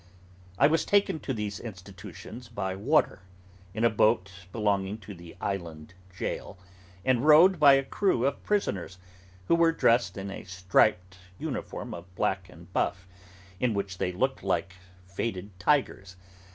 I was taken to these Institutions by water, in a boat belonging to the Island jail, and rowed by a crew of prisoners, who were dressed in a striped uniform of black and buff, in which they looked like faded tigers.